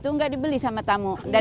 yang dijualnya adalah